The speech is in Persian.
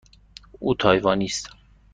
او تایوانی است.